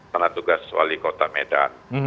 penatugas wali kota medan